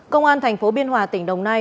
công an thành phố biên hòa tỉnh đồng nai